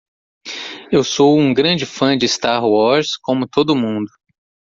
Eu sou um grande fã de Star Wars como todo mundo.